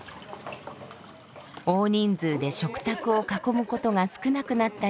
大人数で食卓を囲むことが少なくなった